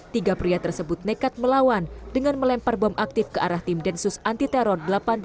tiga pria tersebut nekat melawan dengan melempar bom aktif ke arah tim densus anti teror delapan puluh delapan